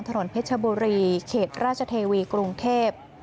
ถนนเพชรบุรีเขตราชเทวีกรุงเทพ